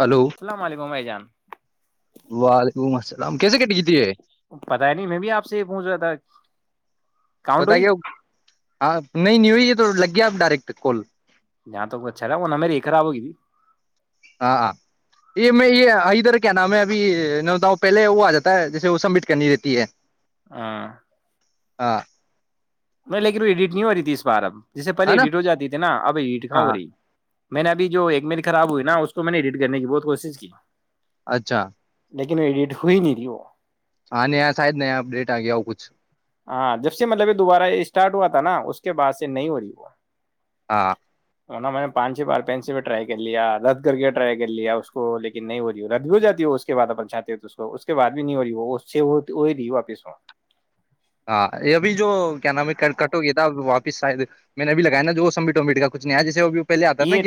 hello اللام علیکم بجان وعلیکم السلام کیسے کٹ گئی تھی یہ پتا ہے نہیں میں بھی آپ سے یہ پہنچھ رہا تھا کاؤنٹ پتا ہوئی کیا ہاں نہیں نہیںی ہوئی تو لگ گیا ڈائریکٹ کال جہاں تو کو اچھا رہا وہ نہ مریی خراب ہوگی تھی ہاں ہاں یہ میں یہ ادھر کیا نام میں ابھی نوتاؤں پہلے وہ آ جاتا ہے جیسے وہ سبمٹ کرنی رہتی ہے ہ [unintelligible] ہاں میں لیک کے وہ ایڈیٹ نہیں ہو رہی تھی اس بار اب جیس سے ہے پہلے نا ڈٹ ہو جاتی تھی نا اب ہیٹ کا ہو ہاں رہی میں نے اب جو ایک منٹ خراب ہوئی نا اس کو میں نے ایڈٹ کرنے کی بہت کوشش کی اچھا لیکن ایڈٹ ہو ہی نہیں رہی وہ ہاں نہیں سید نہیں ڈیٹ آ گیا کچھ ہاں جب سے مطلب یہ دوبارہ یہ اسٹارٹ ہوا تھا نا اس کے بعد سے نہیں ہو رہی ہوا ہاں نا میں نے پانچ چھ بار پین سے ٹرائی کر لیا رد کر کے ٹرائی کر لیا اس کو لیکن نہیں ہو رہی رد بھی ہو جاتی ہے اس کے بعد اپ چاہتے ہو تو اس کے بع بھی نہیں ہو رہی ہو رہی واپس وہ ہاں یہب جو کیا نام ہے ک کٹ ہو گیا تھا واپس شاید میں نےبھی لگیا نا جو وہ سٹ ابٹ کا کچھ نہیں آیا جیسے وہ یہ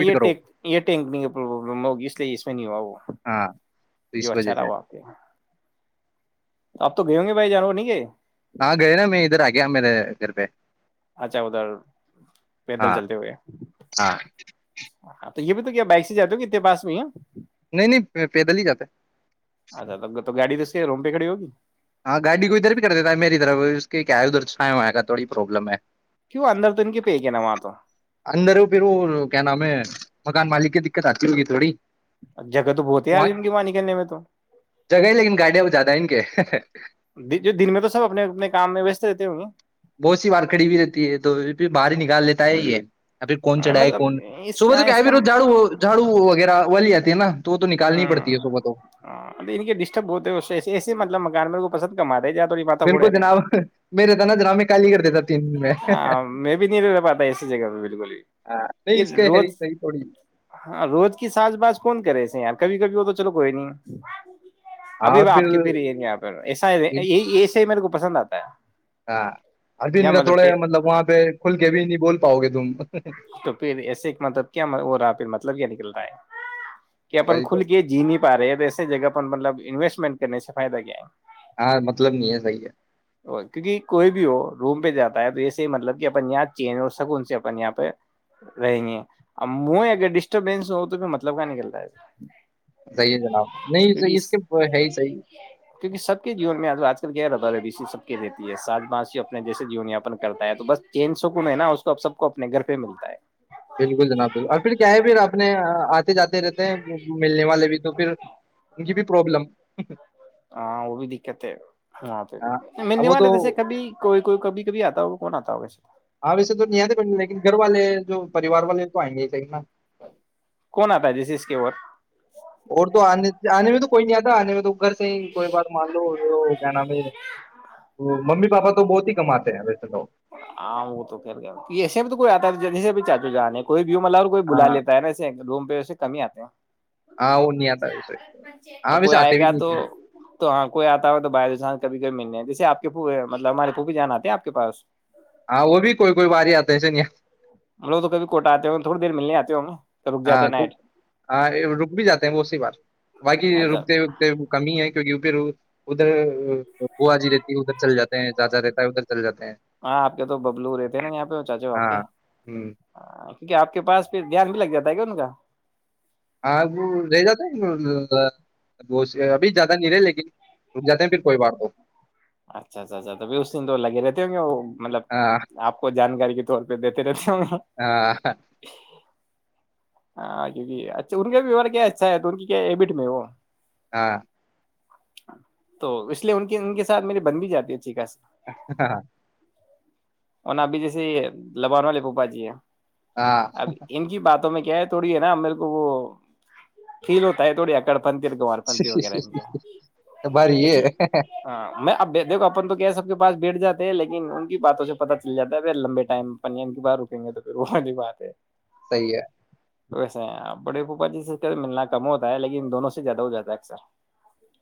یہ یہ رکنی ہوگی اس لیے اس میں نہیں ہوا وہ ہاں تو جو اس وجہ اچھا رہا سے وہ آپ کے آپ تو گئے ہوں گے پ جانو نہیں گ ہاں گئے نا میں ادھر آ گیا میرے گھر پہ اچھا ادھر پیدل ہاں چلتے ہوئے ہاں تو یہ بھی تو کیا بائک سے جا ہو کہ اتنے پس میں ہی نہیں نہیں پیدل ہی جا تے چ روم پے کڑی ہو گی [unintelligible] ہاں گاڑی کو ادھر بھی کر دیتا میری طرف کیا ادھر چھائے ہواں کا تھوڑی پروابلم ہے کیوں اندر تو ان کے پی کے ہے نا وہاں تو اندر ہو پھر وہ کیا نام ہے مکان مالک کی دقت آتی ہوگی تھوڑی جگہ تو بہت ہیں وہاں اارجن کی وانی کرنے میں تو جگہ ہی لیکن گاڑیاں وہ زیادہ ہے ان کے دن میں تو سب اپنے اپنے کام میں وس رہتے ہوں گے بہت سی بار کھڑی ہو رہتی ہے توھر باہر نکال لیتا ہے یہ ہے اھر کون گے چڑھا ہے مطلب کون اس کا صب کیا اس ہے کا پھر جاڑو جھاو وغیرہ ویا نا [unintelligible] پڑتی ہے صبح تو ہ ڈسٹرب بت سی م مکان میں کو پسند کماے جات بالکل جناب میرے تھا نا جناب میں کالیگرڑھ دیتا تھا ہ میں بھی نہیں رہ رہ پاتا ایسی جگہ پہ بالکل بھی نہیں کہ اس کے روز ہے ہی صحیح تھوڑی ہاں روز کی ساز باز کون کرےسے کبھی کبھی وہ تو چلو کوئی نہیں ابھی آپ کی پھر یہ نہیں پ ایسا ایسا ہی مے کو پسند آتا ہے ہاں ابھی میرا تھوڑا مطلب وہاں پہ کھل کے بھیھی نہیں بول پاؤ گے تم تو پھر ایسے ایک مطلب کیا ہو رہا پھر مطلب کیا نکل رہا ب کہ اپن موبائل کھل کو کے جی نہیں پا رہے ا ایسے جگہ پر مطلب انویسٹمنٹ کرنے سے فائدہ کیا ہے ہاں مطلب نہیں ہے صحیح کیونکہ کوئی بھی ہو روم پہ جاتا تو ایے ہی مطلب کہ اپنے یہاں چینج ہو سک ان سے اپ یہاں پہ رہیں گے اب مے اگر ڈسٹربینس ہو تو پھر مطلب کہ نکلتا ہے صیح ہے جناب نہیں کیونکہ اس کے ہے ہی صحیح ربب سی سب کی رہتی ہے سات ب اپنے جیس جیون یاپن کرتا ہے تو بس چین سک میں ہے نا اس کو سب کو اپنے گھر کے ملتا ہے [inaudible] بالکل جناب بالکل اور پھر کیا ہے پھر اپنے آ، آتے جاتے رہتے ہیں ملنے والے بھی تو پھر کی بھی پروابلم ہاں وہ بھی دقت ہے ہاں اب منے وہ والے تو جیسے کبھی کوئی کوئی کبھی کبھی آتا ہو کون آتا ہو ویسے ہاں ویسے تو نہیں آتے بڑ لیکن گھر والے ہیں جو پریوار والے تو آئیں گے ہی کہ نا کون آتا ہے جس اس کی اور اور تو آنے آنے بھی تو کوئییا تو آنے اگر صحی کوئی بار مان لو کیا نام ہے ممی پاپا تو بہت ہی کماتے ہیں ویسے لوگ ہاں وہ تو جانے کوئی ما اور کوئی بلا لیتا ہے نا ایس روم پہ ویسے کمی ہی آتے ہیں ہاں وہ نہیں آتا وس ہاں اور ویس کوئی آتے آئے بھی گا نہیںت تو تو ہاں کوئی آتا ہو تو باہران کبھی کبھی ملنے ہے جیسے آ کے مطلب ہمارے پوبی جان آتے ہیں آپ پاس ہاں وہ بھی کوئی کوئی باری آتا ایسے نہیں ہم لوگ تو کبھی کوٹا آتے ہوں گے، تھوڑی ملنے آتے ہوں گے تو رک جاتے ہاں نائٹ ہاں رک بھی جاتے ہیں وہی بار باقی اچھا رکتے رکتے کمی ہی ہے کیہ پھر ادھر گوا جی رہتی ہے ادھر چل جاتے ہیں ججا رہتا ہے ادھر چل جاتا ہاں آپ کے تو ببلو رہے تھے نا یہاں پہ چاچا آپ ہاں ہوں کے آپ کے پاس پھر دھیان بھی لگ جاتا ہے کیا ان کا ہاں وہ رہ جاتا ہے ابھی زیادہ نہیں رہے لیکن رک جاتے پھر کوئی بار تو اچھا اچھا اچھا توب اس دن تو لگے رہتے ہوں گے وہ مطلب ہاں آپ کو جانکاری کے طور پہ دیتے رہتے ہوں گے ہاں ہاں کیکہ اچھا ان کا بھی بیوہار کیا اچھا ہے تو ان کی کیا ہیبٹ میں وہ ہاں تو اس لیے ان کی ان کے ساتھ میری بن بھی جاتی ہے اچھی کاا سے ہاں اورن ابھی جیسے یہ لبان والے پوپا جی ہے ہاں اب ایم کی بات کیا ہے تھوڑی ہے نا میرے کو وہ فیل ہوتا ہے تھوڑی اکڑ نتار پنت وغیرہے بار یہ اب دیکھو اپن تو کیا سب کے پاس بیٹھ جاتا لیکن ان کی باتوں سے پتا چل جا ہے پھر لمبے ٹائم پنیا کی بات رکیں گے تو پھر وہی بات ہے صحیح ہے ویسے بڑے پھپا جیس سے ملنا کم ہوتا ہے لیکن دونوں سے زیادہ ہو جاتا ہے اکثر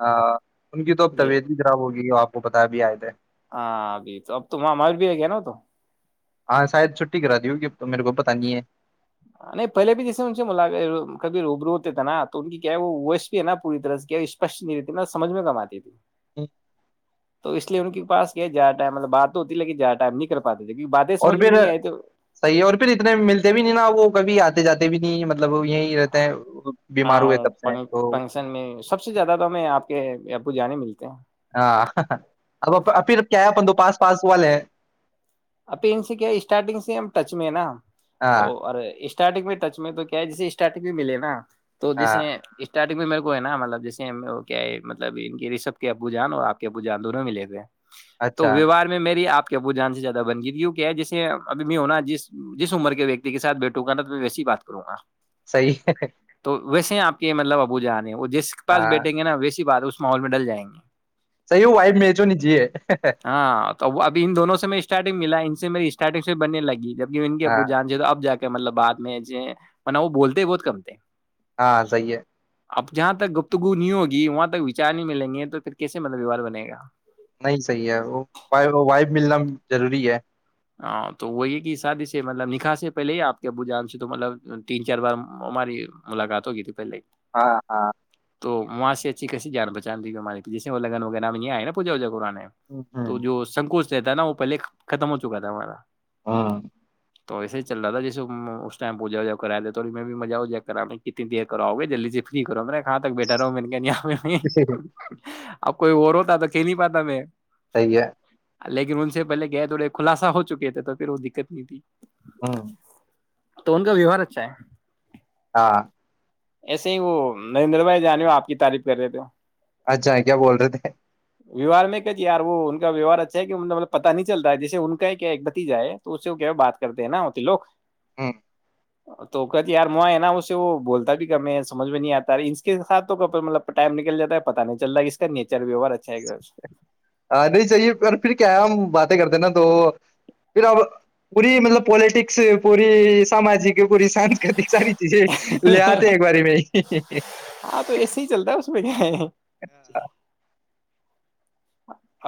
ہاں ان کی تو اب یہ طبیعت بھی خراب ہوگی آپ کو بتا بھی آئے تھے ہاں ابھی تو اب تو وہاں مر بھی ہے گیا نا تو ہاں شاید چھٹی کرا دی ہوگی تو میرے کو پت نہیں ہے نہیں پہلے بھی جیسے ان سے ملاق کب روب رو ہوتے تھے نا تو ان کی کیا وہ وش بھی ہے نا پوری طرح سے کیا اسپش نہیں رہتی ن سمجھ میں کم آتی تھی ا [unintelligible] تو اس لیے ان کے پس کیا جا ٹائم مطل بات ہوتی لیکن جا ٹائم نہیں کر پاتا اور پھر صحیح ہے اور پھر اتنے ملتے بھی نہیں نا وہ کبھی آتے جاتے بھی نہیں مطلب وہ یہیں رہتے ہیں بیمار ہوئے تب سے تو ہاںنکن میں سب سے زیادہ تو ہمیں آپ کےپ جانے ملتے ہیں ہاںب پھر کیاپند پاس پاس والے ہیں اب ان سے کیا اسٹارٹنگ سے ہم ٹچ میں ہے نا ہاں وہ اور اسٹارٹنگ میں ٹ میں تو کیا ہے جسے اسٹارٹنگ بھی ملے نا تو ہاں جیسے اسٹارٹنگ میں میرے کو ہے نا مطلبیسے کیا ہے مطلب رسب کے ابو جان اور آپ کے ابوانونوں م لے ہوئے ہیں تو اچھا ویوار میں میری آپ کہ وہ ج ج بن گی کیا جسے اب میں ہو نا جس جس عمر کے ویکتی کے سھ بیٹھوں گا ن تو میں ویس ہی بات کروں گا صیح ہے تو ویسے آپ کے مطلب ابو جانے ہیں جس کے پس ہاں بیٹھیں گے نا ویسی بات اس اسمال مڈل جائیں گے سحی ہو بھائی میں تووں نجیے ہاں تو ابھی ان دونوں سے میں اس اسٹارٹنگ ملا ان سےیری اسٹارٹگ سے بنے لگی جب ان کی ہاں ابو جان سے تو اب جا کے مطلب بعد میں م وہ بولتے بہت کمتے ہاں صی ہے اب جہاں تک گپتگو نہیں ہوگی وہاں تک وچار نہیں ملیں گے تو پھر کیسے مطلب ویوہار بنے گا نہیں صحیح ہے وہ وائف ملنا ضروری ہے ہاں تو وہ یہ کہ شادی سے مطلب نکھاح سے پہلے ہی آپ کے ابو جان سے تو مطلب تین چار بار ہماری ملاقات ہوگی تھی پہلے ہی ہاں ہاں تو وہاں سے اچھی کییسی جان پہچتی تی ہم جیے وہ لگ ویرہ یہ آئے ناوجا وجا کران ہے ہوں ہوں تو جو سنکوچ تا ہے ن وہ پہے ختم ہوتا چکا تھا ہمارا ہاں تو ایسے ہی چل رہا تھا جسے اس ٹم پوجا وجا کراے تھڑ میں بھی مزہا جا کرا کنی دیراؤے جلدی سے فری کرو م میںیرااں تک بیٹا ہوں میں نےاں [inaudible] اب کوئی اور ہوتا تو کہل نہیں پاتا میں سی ہے [inaudible] لیکن ان سے پہل گئے تھڑےن خلاصہ ہو چکے تھے تو پھر وہ دقت نہیں تھی ہاں تو ان کا ویوہار اچھا ہے ہاں ایسے ہی وہ نریندر بھائی جانے ہو آپ کی تعریف کر رہے تھے ہو اچھا کیا بول رہے تھے ویوہار میں کیا یار وہ ان کا ویوہار اچھا ہے کہ مطلب پتا نہیں چلتا ہے جیسے ان کا ہی کیا ایک بتیجا ہے تو اس سے کیا بات کرتے ہیں ناتی لگ ہاں توکت یار م و سے وہ بولتا بھی سمج میں نہیں آتا اس کے ساتھ تو مطلب ٹائم نکل جاتا ہے پتا نہیں چلتا کہ اس کا نیچر ووار اچھا ہے آ نہیں چاہیے پر پھر کیا ہے ہم باتیں کرتے نا تو پھر اب پوری مطلب پالٹکس پوری سمجک پوری سانکتی ساری چیزیں لے ہے آتے ایک باری میں ہاں تو ایسے ہی چلتا ہے اس میں کیا ہے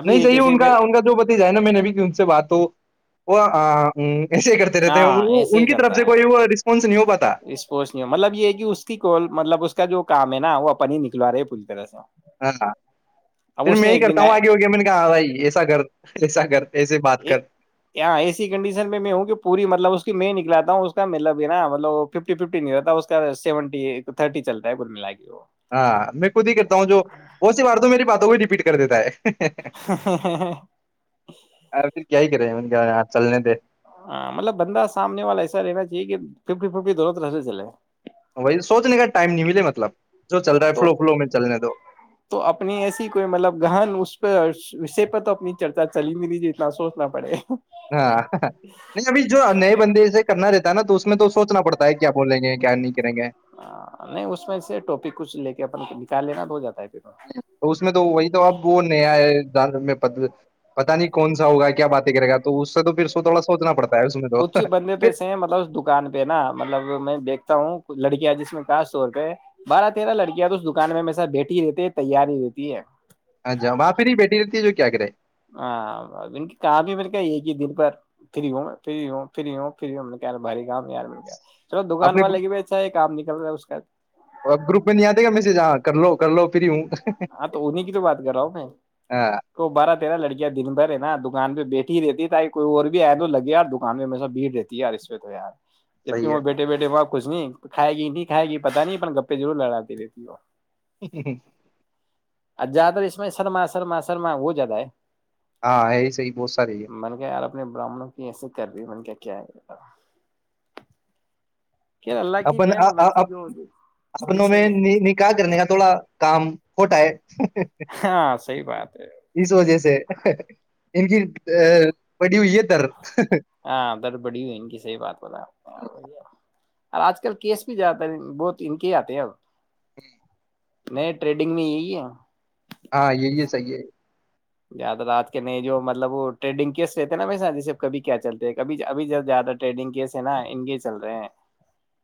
ابھی نہیں ایک صاہیے ایسے ان میں کا ان کا جو پتی جائے نا میں نے بھیھی کہ ان سے بات ہو وہ آ ہ تو ایسے ہی کرتے رہتے ہیں ہاں وہ ان کی طرف سے کوئی وہ رسپانس نہیں ہو پاتا اسپوس نہیں مطلب یہ کہ اس کی کو مطلب اس کا جو کام نا وہ اپپ نہیں نکلو رہے پورلی طر سےوں ہاں پھر میں ہی دن کرتا ہوں آگے ہوگیا میں نے کہا بھائی ایسا کر ایسا کر ایسے بات کر یہاں ایسی کنڈیشن میں میں ہوں کہ پوری مطلب اس کی میں نکلاتا ہوں اس کا مطلب بھی نا مطلب ففٹی ففٹی نہیں ہوتا ہے اس کا سیونٹی تھرٹی چلتا ہے گ ملا کے ہاں وہی ریپیٹ کر دیتا ہے کے وہ ار پھر کیا ہی کرے ہیں [inaudible] ہاں مطلب بندہ سامنے والا ایسا رہنا چاہ [inaudible] ففٹی ففٹی دورتے چلے وہی سوچنے کا ٹائم نہیں ملے مطلب جو چل رہا ہے تو فلو فلو میں چلنے دو تو اپنی ایسی کوئی مطلب گہن اس پہ اسے پ تو اپنی چرچا چل ہی بھی نہیںیے اتنا سوچنا پڑے ہاں نہیں ابھی جو نئے بندے سے کرنا رہتا [inaudible] نا تو اس میں تو سوچنا پڑتا ہے کیا بولیں گے کیا نہیں کریں گے نہیں اس میں سے ٹوپی کچھ لے کے اپن نکال لینا جاتا ہے پھر تو اس میں تو وہی تو اب وہ نیائے جان میں پد پتا نہیں کون سا ہوگا کیا باتیں کرے گا تو اس سے تو پھر سو تھوڑا سوچنا پڑتا ہے اس میں تو کچھ ہی بندے تو پھر ایسے ہیں مطلب اس دکان پہ نا مطلب میں دیکھ تا ہوں لڑکیاں جس میں خاص طور پہ بارہ تیرہ لڑکیاں تو اس دکان میں میں س بیٹھی ہی رہتی ہے تیار ہی رہتی ہے اچھا وہاں پھر ہی بیٹھی رہتی ہے جو کیا کر رہے ہاں کافی مل کے ایک ہی دل پر فری ہوں ہوںری ہوںھر بری کا یار چلو دکان اپنے گپ والے کی بھی اچھا ہے کام نکل رہا ہے اس کا اورپ گروپ میںہ نہیں آتے گا م سے جاں کر لو کو پری ہاں تو انہیں کی تو بات کر رہا ہوں میں ہاں تو بارہ نا لڑکیا دن بھر ہے نا دکان پہ بیٹھی ہی رہتی ت یہ کوئی اور بھی آئے تو لگے یار دکان پہ ہمیشہ بھیڑ رہتی ہے یار اس پہ تو یار جب صحیح کیوں بیٹھے بیٹھے باپ کچھ نہیں کھائے گی نہیں کھائے گی پتہ نہیں گپے ضرور لڑاتی رہتی وہ [unintelligible] زیاد تر اس میں سرما سرما سرما وہ زیادہ ہے ہاں یہی صحی بہت ساریے ہے من کیا یار اپنے براہمنوں کی ایسے کر رہی من کیا کیا ہے گا اپن جو اپنوں میں جیسے نکاح کرنے کا تھوڑا کام کھوٹا ہے ہاں صحیح بات ہے اس وجہ سے ان کی پڑی ہوئی یہ تر ہاں درد بڑی ہوئی ان کی صحی بات بتا وہی ہے اور آج کل کیس بھی جاتا ہے بہت ان کے آتے ہیں اب ہوں نہیں ٹریڈنگ میں یہی ہے ہاں یہی صحیح ہے زیادہ راتج کے نہیں جو مطلب وہ ٹریڈنگ کیس رہتے ہیں نا ویسا جیسے کبھی کیا چلتے ہیں کبھی ابھی جب زیادہ ٹریڈنگ کیس ہے نا انے چل رہے ہیں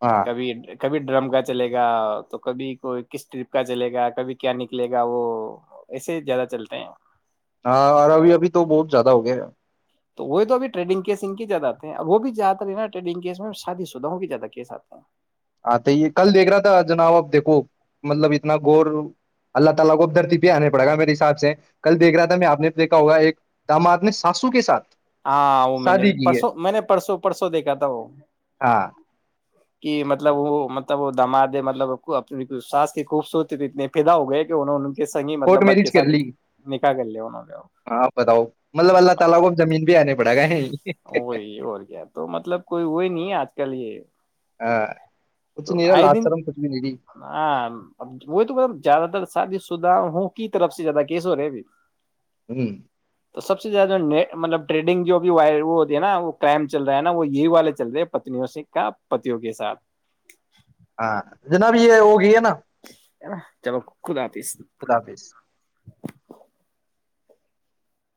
ہاں کبھی کبھی ڈرم کا چلے گا تو کبھی کوئی کس ٹرپ کا چلے گا کبھی کیا نکلے گا وہ ایسے زیادہ چلتے ہیں [inaudible] ہاں اور ابھی ابھی تو بہت زیادہ ہو گیا تو وہ تو اھی ٹریڈنگ کیس ان کے زیادہ آتے ہیں وہ بھی زیادہر ہے نا ٹریڈنگ کیس میں شادی سداں کے زیادہ کیس آتے ہیں آتے ہی کال دیکھ رہا تھا جنب ہاں وہ میں نے بھی پرسوں میں نے پرسوں پرسوں دیکھا تھا وہ ہاں کہ مطلب وہ مطلب وہ مطلب وہ داماد ہے مطلب وہ اپنی ساس کی خوبصورتی پہ اتنے فدا ہوگئے کہ انہوں کے سنگ ہی کورٹ مطلب بگ کے میرج ساتھ کرلی نکاح کر لیا انہوں نے مطلب اللہ تعالی کو اب زمین پہ آنا وہی اور کیا تو مطلب کوئی وہی نہیں آج کل یہ ہاں کچھ تو نہیں رہا آئے لات دن شرم کچھ بھی نہیں ہاں وہی تو زیادہ تر شادی شدہ ہوں کی طرف سے زیادہ کیس ہو رہے ابھی ہمم تو سب سے زیادہ نے مطلب ٹریڈنگ جو ابھی وائرل وہ ہوتی ہے نا وہ کرائم چل رہا ہے نا وہ یہی والے چل رہے ہیں پنیوں سے کا پتیوں کے ساتھ ہاں جناب یہ ہوگئی ہے نا ہے نا چلو خدا حافظ خدافظ